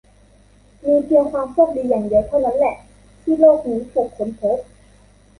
มีเพียงความโชคดีอย่างเดียวเท่านั้นแหละ ที่โลกนี้ถูกค้นพบ